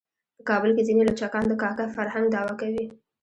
په کابل کې ځینې لچکان د کاکه فرهنګ دعوه کوي.